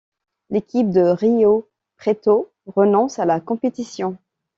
L'équipe de Rio Preto renonce à la compétition.